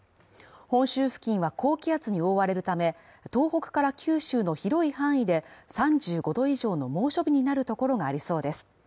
本州付近は高気圧に覆われるため東北から九州の広い範囲で３５度以上の猛暑日になるところがありそうです。